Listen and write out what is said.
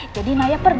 jadi naya pergi